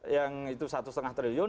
yang itu satu lima triliun